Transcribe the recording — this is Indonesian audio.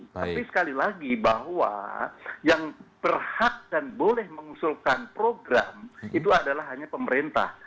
tapi sekali lagi bahwa yang berhak dan boleh mengusulkan program itu adalah hanya pemerintah